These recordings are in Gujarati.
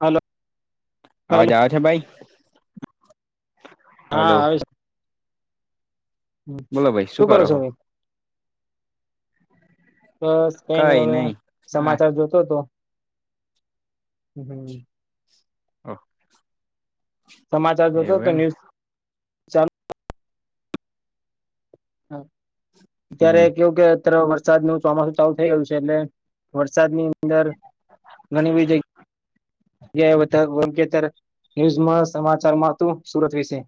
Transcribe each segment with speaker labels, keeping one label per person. Speaker 1: હલો
Speaker 2: અવાજ
Speaker 1: હલો
Speaker 2: આવે છે ભાઈ?
Speaker 1: હા
Speaker 2: હલો
Speaker 1: આવે છ
Speaker 2: બોલો ભાઈ શું
Speaker 1: કરો છો
Speaker 2: કરોહો?
Speaker 1: ભાઈ બસ કઈ નઈ હવે, સમાચાર જોતો હતો. હમ્મ
Speaker 2: ઓ
Speaker 1: સમાચાર જોતો તો ન્યુઝ. ચાલુ હા ત્યારે
Speaker 2: હમ
Speaker 1: કેવુંકે. ત્રવ વરસાદનું ચોમાસું ચાલુ થઈ ગયું છે, એટલે વરસાદની. અંદર ઘણી બધી જગ્યા્યા વંકેતર. ન્યુઝમાં સમાચારમાં હતું, સુરત વિશે.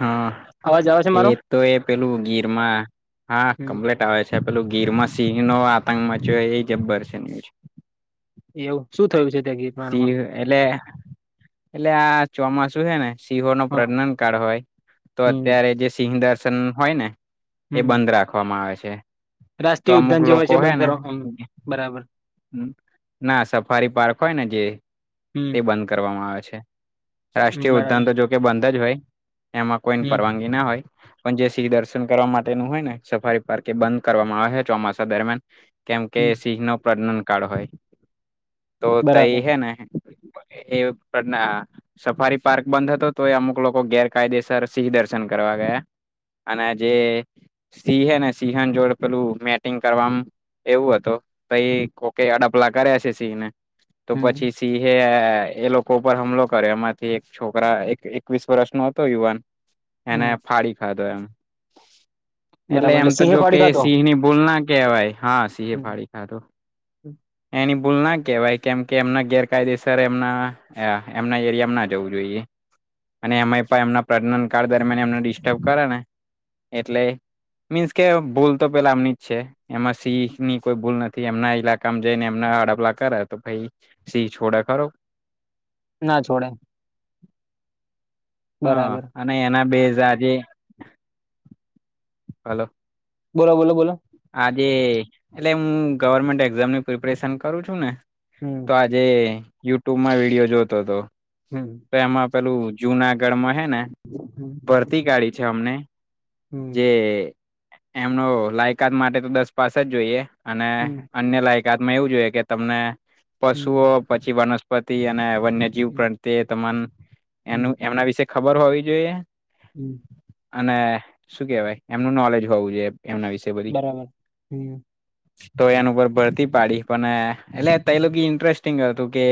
Speaker 2: હા.
Speaker 1: અવાજ આવે છે
Speaker 2: એ
Speaker 1: મારો
Speaker 2: તો એ પેલું ગીરમાં હા
Speaker 1: હમ
Speaker 2: કમ્પલેટ આવે છે. પેલું ગીરમાં સિંહનો આતંક મચીયો એ જબ્બર છે ન્યૂઝ.
Speaker 1: એવું, શું થયું છે ત્યાં ગીર?
Speaker 2: સિહ એટલે, એટલે આ ચોમાસું હે ને. સિંહો નો
Speaker 1: હા
Speaker 2: પ્રજનન કાળ હોય, તો
Speaker 1: હમ
Speaker 2: અત્યારે જે સિંહ દર્શન હોય ને. એ
Speaker 1: હમ
Speaker 2: બંધ રાખવામાં આવે છે. તો
Speaker 1: રાષ્ટ્રીય
Speaker 2: અમુક
Speaker 1: ઉદન જેવો હોય
Speaker 2: લોકો
Speaker 1: છે
Speaker 2: હે
Speaker 1: બંધ
Speaker 2: ને
Speaker 1: કરવા, હમ્મ બરાબર.
Speaker 2: ના, સફારી પાર્ક હોય ને જે, તે
Speaker 1: હમ
Speaker 2: બંધ કરવામાં આવે છે.
Speaker 1: હમ
Speaker 2: રાષ્ટ્રીય ઉદદન
Speaker 1: બરાબર
Speaker 2: તો જોકે બંધજ હોય, એમાં કોઈ ને
Speaker 1: હમ
Speaker 2: પરવાનગી ના હોય. પણ જે સિંહ દર્શન કરવા માટેનું હોય ને સફારી પાર્ક, એ બંધ કરવામાં આવહે ચોમાસા દરમિયાન. કેમ કે
Speaker 1: હમ
Speaker 2: સિંહ નો પ્રજનન કાળ હોય, તો તઈ
Speaker 1: બરાબર
Speaker 2: હેને એવું પણના. સફારી પાર્ક બંધ હતો, તો એ અમુક લોકો ગેરકાયદેસર સિંહ દર્શન કરવા ગયા. અને જે. સિંહ હેને સિંહન જોડે પેલું મેટિંગ કરવા, એવું હતું. તયે કોકે અડપલા કર્યા છે સિંહને, તો
Speaker 1: હમ
Speaker 2: પછી. એ એ લોકો ઉપર હુમલો કર્યો એમાંથી એક છોકરા એક એકવીસ વર્ષ નો હતો યુવાન.
Speaker 1: હમ
Speaker 2: એને ફાડી ખાધો એમ. એટલે
Speaker 1: બરાબર
Speaker 2: એમ તો
Speaker 1: સિંહે
Speaker 2: જો કે
Speaker 1: ફાડી
Speaker 2: એ
Speaker 1: ખાતો
Speaker 2: સિંહ ની ભૂલ ના કેહેવાય, હા સિંહે
Speaker 1: હમ.
Speaker 2: ફાડી ખાધું એની ભૂલ ના કેહેવાય, કેમ કે એમના ગેરકાયદેસર એમના આ એમના એરિયામાં ના જવું જોઈએ. અને એમાં પણ એમના પ્રજનન કાળ દરમિયાન એમને ડિસ્ટર્બ કરે ને, એટલે મીન્સ કે ભૂલ તો પેલા આમની જ છે, એમાં સિંહ ની કોઈ ભૂલ નથી એમના ઈલા કામ જઈને એમના અડપલા કરે તો ભાઈ સિંહ છોડે ખો
Speaker 1: ના છોડે
Speaker 2: હા
Speaker 1: બરાબર
Speaker 2: અને એના બેઝ આજે હલો
Speaker 1: બોલો બોલો બોલો
Speaker 2: આજે એટલે હું ગવર્મેન્ટ એક્ઝામની પ્રિપરેશન કરું છું ને
Speaker 1: હમ
Speaker 2: તો આજે યુટ્યુબમાં વિડીયો જોતો હતો
Speaker 1: હમ
Speaker 2: એમાં પેલું જુનાગઢ માં હે ને
Speaker 1: હમ
Speaker 2: ભરતી કાઢી છે અમને
Speaker 1: હમ
Speaker 2: જે એમનો લાયકાત માટે તો દસ પાસે જ જોઈએ અને
Speaker 1: હમ
Speaker 2: અન્ય લાયકાતમાં એવું જોઈએ કે તમને
Speaker 1: હમ
Speaker 2: પશુઓ પછી વનસ્પતિ અને વન્ય જીવ
Speaker 1: હમ
Speaker 2: પ્ર્યે તમા
Speaker 1: હમ
Speaker 2: એનું એમના વિશે ખબર હોવી જોઈએ
Speaker 1: હમ
Speaker 2: અને શું કેવાય એમનું નોલેજ હોવું જોઈએ એમના વિશે બધી
Speaker 1: બરાબર હમ
Speaker 2: તો એનું ઉપ ભરતી પાડી પણ એટલે ત લોકો ઇન્ટરેસ્ટ હત કે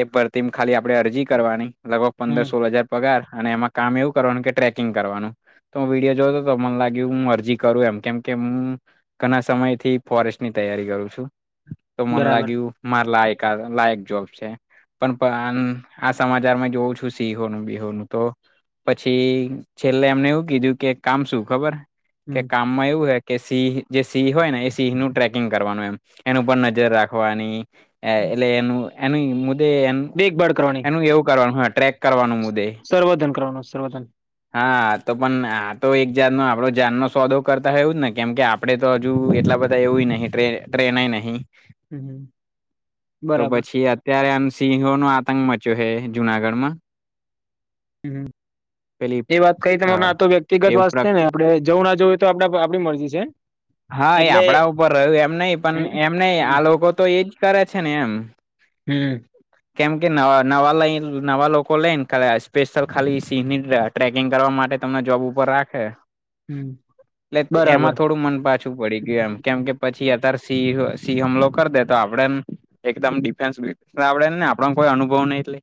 Speaker 2: એ પર ખાલી આપે અરજી કરવાની લગભગ પંદર
Speaker 1: હમ
Speaker 2: સોળ હજાર પગાર અને એમાં કામ એવું કરવાનું કે ટ્રેકિંગ કરવાનું તો વિડીયો જોતો તો મને લાગ્યું હું અરજી કરું એમ કેમ કે હું ઘણા સમયથી ફોરેસ્ટની તૈયારી કરું છું તો મને
Speaker 1: બરાબર
Speaker 2: લાગ્યું મારે લાયક લાયક જોબ છે પણ આ સમાચારમાં જોઉં છું સિહોનું બીહોનું તો પછી છેલ્લે એમને એવું કીધું કે કામ શું ખબર કે
Speaker 1: હમ
Speaker 2: કામમાં એવું હે કે સિહ જે સિહ હોય ને એ સિહ નું ટ્રેકિંગ કરવાનું એમ એનું ઉપ નજર રાખવાની એટલે એનું એનું મુ્દે
Speaker 1: દેખભાળ કરવાની
Speaker 2: એનું એવું કરવાનું હ ટ્રેક કરવાનું મુદ્દે
Speaker 1: સર્વધન કરવનું સર્વધન
Speaker 2: હા તો પણ આ તો એક જાત નો આપડો જાન નો સોદો કરતા હોવું જ ને કેમ કે આપડે તો હજુ એટલા બધા એવું નહી ટ્રેન નહી
Speaker 1: હમ
Speaker 2: તો
Speaker 1: બરાબર
Speaker 2: પછી ત્યારે એમ સિંહો નો આતંક મચ્યો હ જુનાગઢમાં પેલી
Speaker 1: હ એ વાત કઈ
Speaker 2: અ
Speaker 1: તમાર તો વ્યક્તિગત
Speaker 2: એવું
Speaker 1: વાત
Speaker 2: પ્ર
Speaker 1: છે ને આપડણે જવું ના જવું તો આપ આપણી મરજી છે
Speaker 2: હા એ
Speaker 1: એટલે
Speaker 2: આપણા ઉપર રહ્યું એમ નહ પણ
Speaker 1: હમ
Speaker 2: એમ નહી
Speaker 1: હમ
Speaker 2: આ લોકો તો એજ કરે છે ને એમ
Speaker 1: હમ
Speaker 2: કેમ કે નવા લઈ નવા લોકો લઈ ને ખા સ્પેશિયલ ખાલી સિંહની ટકિંગ કરવા માટે તમને જોબ ઉપર રાખે
Speaker 1: હમ
Speaker 2: એટલે
Speaker 1: બરાબર
Speaker 2: એમાં થોડું મન પાછ શું પડી ગયું એમ કેમ કે પછી અત્યારે સિ સિંહ હમલો કરી દે તો આપડે એકદમ ડિફેન્સ આપડે ને આપણ કોઈ અનુભવ નહી એટલે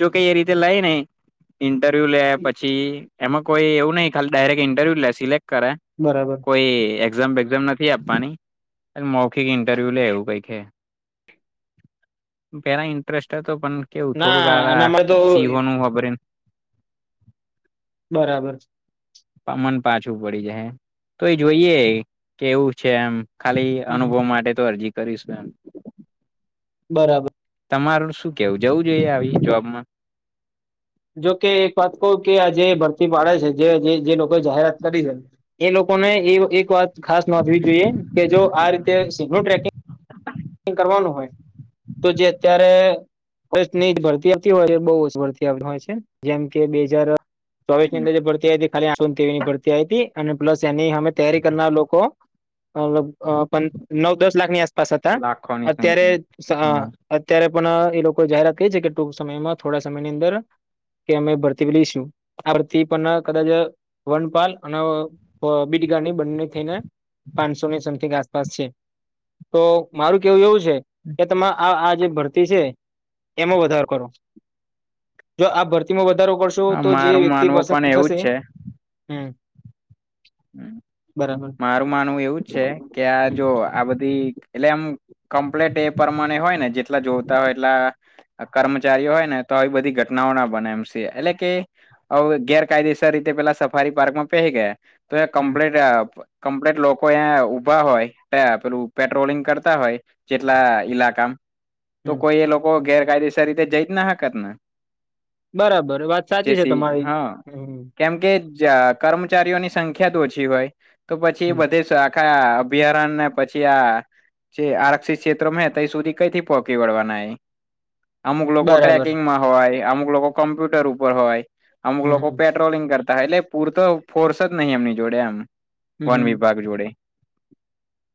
Speaker 2: જો ક એ રીતે લઈ ને ઇન્ટરવ્યુ લે પછી એમાં કોઈ એવું નહી ખાલી ડાયરેક્ટ ઇન્ટરવ્યુ લે સિલેક્ટ કરે
Speaker 1: બરાબર
Speaker 2: કોઈ એક્ઝામ બેેક્ઝામ નથી આપવાની મૌખિક ઇન્ટરવ્યુ લે એવું કઈ છે પેલા ઇન્ટરેસ્ટ હતો પણ કેવું
Speaker 1: ના
Speaker 2: થોડુંક આ
Speaker 1: આનામાં તો
Speaker 2: સિંહોનું ખબરને
Speaker 1: બરાબર
Speaker 2: મન પાછું પડી જાય તો એ જોઈએ કેવું છે એમ ખાલી
Speaker 1: હમ
Speaker 2: અનુભવ માટે તો અરજી કરીશ એમ
Speaker 1: બરાબર
Speaker 2: તમારું શું કેવું જવું જોઈએ આવી જોબમાં?
Speaker 1: જોકે એક વાત કવ કે આ જે ભરતી પાડે છે. જે જે લોકો જાહેરાત કરી છે. એ લોકોને એ એક વાત ખાસ નોંધવી જોઈએ કે જો આ રીતે સિગ્નલ ટ્રેકિંગ કરવાનું હોય તો જે અત્યારે નહી ભરતી આપતી હોય છે બઉ ભરતી આપ હોય છે જેમ કે બે હજાર ચોવીસ ની અંદર જે ભરતી હતી ખાલી આસવીની ભરતી આ હતી અને પ્લસ એની અમે તૈયારી કરનાર લોકો અલગ નવ દસ લાખની આસપાસ હતા
Speaker 2: રાખો નિ
Speaker 1: અત્યારે અત્યારે પણ એ લોકો જાહેરાત કરી છે કે ટૂંક સમયમાં થોડા સમયની અંદર કે અમે ભરતી લઈશું. આ વથી પણ કદાચ વનપાલ અને બીટગાની બંને થઈને પાંચસો ની સમથી આસપાસ છે તો મારું કેવું એવું છે કે, તમારે આ આ જે ભરતી છે એમાં વધારો કરો જો આ ભરતીમાં વધારો કરશો
Speaker 2: હા
Speaker 1: તો જે
Speaker 2: મારું
Speaker 1: વ્યક્તિ
Speaker 2: માનવું પણ
Speaker 1: પસંદ
Speaker 2: એવું
Speaker 1: થશે.
Speaker 2: જ છે
Speaker 1: હમ, બરાબર
Speaker 2: મારું માનવું એવું છે કે આ
Speaker 1: હમ
Speaker 2: જો આ બધી એટલે એમ કમ્પ્લેટ એ પરમાણે હોય ને જેટલા જોતા હોય એટલા કર્મચારીઓ હોય ને તો આવી બધી ઘટનાઓ ના બને એમ છે એટલે કે હ ગેરકાયદેસર રીતે પેલા સફારી પાર્કમાં પહે ગયા તો એ
Speaker 1: હમ
Speaker 2: કમ્પ્લીટ કમ્પ્લીટ લોકો અંયા ઉઊભા હોય પેલું પેટ્રોલિંગ કરતા હોય, જેટલા ઈલાકા તો
Speaker 1: હમ
Speaker 2: કોઈ એ લોકો ગેરકાયદેસર રીતે જઈ જ ના હકત ને.
Speaker 1: બરાબર વાત સાચી છે
Speaker 2: જેથી
Speaker 1: તમારી
Speaker 2: હા
Speaker 1: હ
Speaker 2: કેમ કે કર્મચારીઓની સંખ્યા તો ઓછી હોય તો પછી
Speaker 1: હમ
Speaker 2: બધે સા આખા અભયારણ્ય ને પછી આ જે આરક્ષિત ક્ષેત્રો હ તં સુધી કઈ થી પહોચી વળવાના એ અમુક લોકો
Speaker 1: બરાબર
Speaker 2: ટ્રેકિંગમાં હોય અમુક લોકો કમ્પ્યુટર ઉપર હોય અમુક
Speaker 1: હમ
Speaker 2: લોકો પે ્રોલિંગ કરતા એટલે પૂરતો ફોર્સ જ નહં એમની જોડે એમ
Speaker 1: હમ
Speaker 2: વન
Speaker 1: હમ
Speaker 2: વિભાગ જોડે.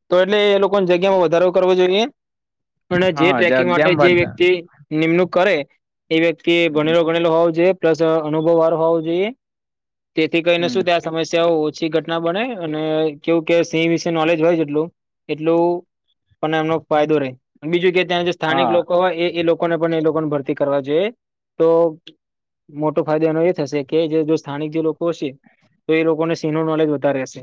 Speaker 1: તો એટલે એ લોકોને જગ્યામાં વધારો કરવો જોઈએ અને જે
Speaker 2: હા
Speaker 1: ટ્રેકિંગ માટે
Speaker 2: જગ્યામ
Speaker 1: જે
Speaker 2: બધા
Speaker 1: વ્યક્તિ નિમણૂક કરે એ વ્યક્તિ ભણેલો ગણેલો હોવો જોઈએ પ્લસ અનુભવ વાળો હોવો જોઈએ. તેથી કહીને
Speaker 2: હમ
Speaker 1: શું ત્યાં તમે? ઓછી ઘટના બને અને કેવું કે સિંહ વિશે નોલેજ હોય, એટલું પણ એમનો ફાયદો રહે બીજું કે ત્યાં જે સ્થાનિક
Speaker 2: હા
Speaker 1: લોકો હોય એ એ લોકો લોકોને પણ એ લોકોને ભરતી કરવા જોઈએ તો મોટો ફાયદો એનો એ થશે કે જે જો સ્થાનિક જે લોકો હશે તો એ લોકોને સિંહ નું નોલેજ વધારે હશે,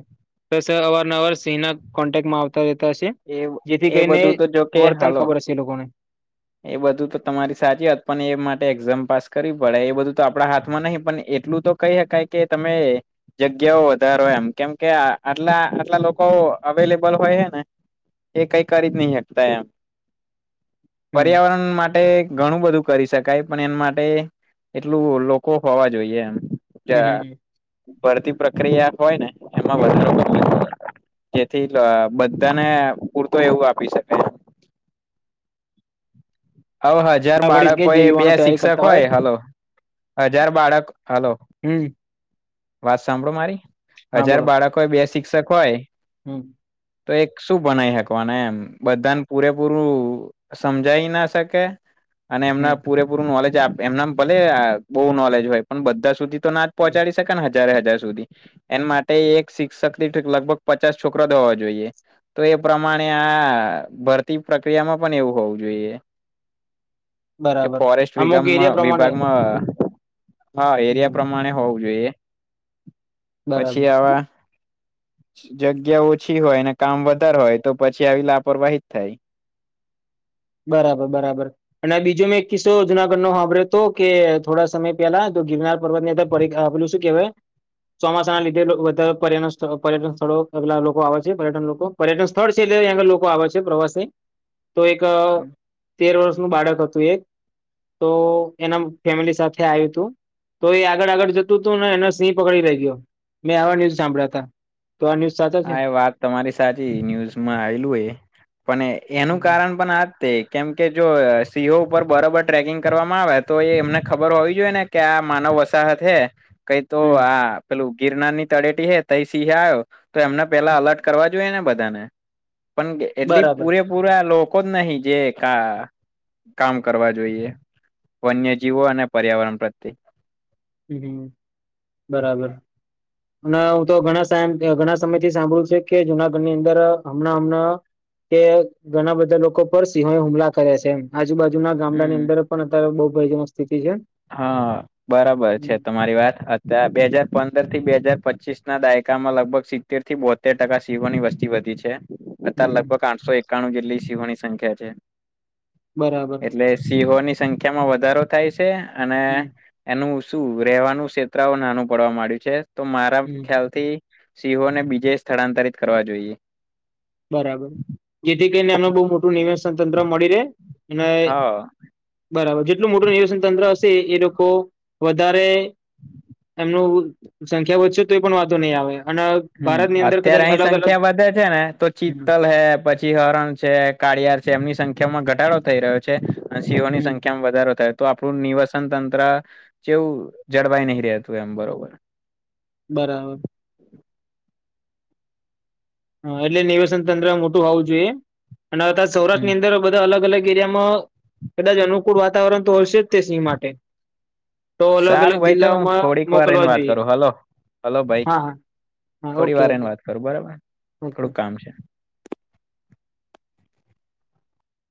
Speaker 1: તો સર અવારન અવાર સિંહના કોન્ટેક્ટમાં આવતા રહેતા હશે
Speaker 2: એ
Speaker 1: જેથી
Speaker 2: એ
Speaker 1: કરીને
Speaker 2: બધું તો જોકે
Speaker 1: વર્તન
Speaker 2: હલો
Speaker 1: ખબર હશે લોકોને.
Speaker 2: એ બધું તો તમારી સાચી હોત પણ એ માટે એક્ઝામ પાસ કરવી પડે એ બધું તો, આપણા હાથમાં નહીં પણ એટલું તો કહી શકાય કે તમે જગ્યાઓ વધારો એમ કેમ કે આટલા આટલા લોકો અવેલેબલ હોય હ ને એ કઈ કરી જ નહી શકતા એમ
Speaker 1: હમ
Speaker 2: પર્યાવરણ માટે ઘણું બધું કરી શકાય પણ એના માટે એટલું લોકો હોવા જોઈએ એમ.
Speaker 1: હમ હમ
Speaker 2: ભરતી પ્રક્રિયા હોય ને એમાં
Speaker 1: હમ
Speaker 2: વધારો જેથી બધાને પૂરતો એવું આપી શકે. હ હજાર
Speaker 1: ના પડી કે
Speaker 2: બાળકો
Speaker 1: જે
Speaker 2: હોય બે
Speaker 1: યુવાનો તૈયારી
Speaker 2: શિક્ષક
Speaker 1: કરતા
Speaker 2: હોય, હલો હજાર બાળક હલો
Speaker 1: હમ
Speaker 2: વાત સાંભળો મારી
Speaker 1: હા
Speaker 2: હજાર
Speaker 1: બોલો
Speaker 2: બાળક હોય બે શિક્ષક હોય,
Speaker 1: હમ
Speaker 2: તો એક શું બનાવી શકવાના એમ બધાને પૂરેપૂરું સમજાઈી ના શકે અને
Speaker 1: હમ
Speaker 2: એમના પૂરેપૂરું નોલેજ એમના ભલે બહ નોલેજ હોય પણ બધા સુધી તો નાદ
Speaker 1: હમ
Speaker 2: પહોંચાડી શકને હજારે હજાર સુધી. એના માટે એક શિક્ષક થી લગભગ પચાસ છોકરો દ હોવા જોઈએ. તો એ પ્રમાણે આ ભરતી પ્રક્રિયામાં પણ એવું હોવું જોઈએ. કે
Speaker 1: બરાબર
Speaker 2: ફોરેસ્ટ
Speaker 1: અમુક એરિયા
Speaker 2: વિમાં
Speaker 1: પ્રમાણે
Speaker 2: વિભાગમાં. હા એરિયા
Speaker 1: હમ
Speaker 2: પ્રમાણે હોવું જોઈએ
Speaker 1: બરાબર
Speaker 2: પછી આવા જગ્યા ઓછી હોય ને કામ વધારે હોય તો પછી આવી લાપરવાહી જ થાય.
Speaker 1: બરાબર બરાબર. અને બીજો મેં એક કિસ્સો જુનાગઢ નો સાંભળ્યો હ તો કે થોડા સમય પહેલા તો ગિરનાર પર્વત ની અંદર પ આપેલું શું કેવાય ચોમાસા ના લીધે બધા પરન પર્યટન સ્થળો એલા લોકો આવે છે પર્યટન લોકો પર્યટન સ્થળ છે એટલે લોકો આવે છે પ્રવાસે તો એક તેર વર્ષનું બાળક હતું એક તો એના ફેમિલી સાથે આવ્યું હતું. તો એ આગળ આગળ જતું હતું ને એનો સિંહ પકડી લ ગયો મેં આવા ન્યૂઝ સાંભળ્યા હતા. તો આ ન્યુઝ સાથે
Speaker 2: હા એ વાત તમારી સાચી ન્યૂઝમાં આવેલું એ પણ એનું કારણ પણ આજ કેમ કે જો સિંહો ઉપર બરોબર ટ્રેકિંગ કરવામાં આવે તો એ એમને ખબર હોવી જોઈએ ને ક્યા માનવ વસાહત હૈ કઈ તો
Speaker 1: હમ
Speaker 2: આ પેલું ગિરનાર ની તળેટી હે ત સિંહ આવ્યો તો એમને પેલા અલર્ટ કરવા જોઈએને બધાને પણ એટલી
Speaker 1: બરાબર
Speaker 2: પૂરેપૂરા લોકો જ નહી જે કાં કામ કરવા જોઈએ વન્યજીવો અને પર્યાવરણ પ્રત્યે.
Speaker 1: હમ હમ બરાબર. અને હું તો ઘણા સા ઘણા સમય થી સાંભળું છે કે જુનાગઢ ની અંદર હમણાં હમણાં કે ઘણા બધા લોકો પર સિંહો હુમલા કરે છે એમ. આજુબાજુના ગામડાની
Speaker 2: હમ
Speaker 1: અંદર પણ અત્યારે બઉુ ભયજનક સ્થિતિ છે.
Speaker 2: હા બરાબર છે
Speaker 1: હમ્મ,
Speaker 2: તમારી વાર અત બે
Speaker 1: હમ્મ,
Speaker 2: હાજાર પંદ પંદર થી બે હાજાર પચીસ ના દાયકામાં લગભગ સિત્તેર થી બોતેર ટકા સીવોની વસ્તી વધી છે. અત
Speaker 1: હમ્મ, હમ્મ.
Speaker 2: લગભગ આઠસો એકાણું જેટલી સિંહોની સંખ્યા છે.
Speaker 1: બરાબર.
Speaker 2: એટલે સિંહોની સંખ્યા માં વધારો થાય છે અને
Speaker 1: હમ્મ,
Speaker 2: એનું શું રહેેવાનું ક્ષેત્ર નાનું પડવા માંડ્યું છે તો મારા
Speaker 1: હમ્મ,
Speaker 2: ખ્યાલથી સિંહો ને બીજે સ્થળાંતરિત કરવા જોઈએ.
Speaker 1: બરાબર જેથી કરીને એમને બહ મોટું નિવેસન તંત્ર મળી રહે અને
Speaker 2: હા
Speaker 1: બરાબર જેટલું મોટું નિવેશન તંત્ર હશે એ લોકો વધારે એમનું સંખ્યા વધશે તો એ પણ વાતો નહીં આવે અને
Speaker 2: હમ
Speaker 1: ભારતની અંદર
Speaker 2: અત્યારે
Speaker 1: કદાચ
Speaker 2: અહી
Speaker 1: અલગ અલગ
Speaker 2: સંખ્યા વધે છે ને તો ચિત
Speaker 1: હમ્મ,
Speaker 2: હ પછી હરણ છે કાળિયાર છે એમની સંખ્યા માં ઘટાડો થઈ રહ્યો છે. છે અને સિંહો ની
Speaker 1: હમ્મ,
Speaker 2: સંખ્યામાં વધારો થયો. તો આપણું નિવાસન તંત્ર જેવું જળવાય નહી રહેતું એમ બરોબર
Speaker 1: બરાબર. હા એટલે નિવાસન તંત્ર મોટું હોવું જોઈએ અને
Speaker 2: હમ
Speaker 1: સૌરાષ્ટ્રની અંદર બધા અલગ અલગ એરિયામાં કદાચ અનુકૂળ વાતાવરણ તો હશે જ તે સિંહ માટે. તો અલગ
Speaker 2: સારું
Speaker 1: અલગ
Speaker 2: ભાઈ ચાલ
Speaker 1: જિલ્લાઓમાં
Speaker 2: થોડીક વાર એને
Speaker 1: મોકલવા
Speaker 2: વાત
Speaker 1: જોઈએ
Speaker 2: કરો હલો હલો
Speaker 1: હા હા. હા ઓકે ઓકે.
Speaker 2: બરો બરાબરને
Speaker 1: ઓકે
Speaker 2: થોડુંક કામ છે.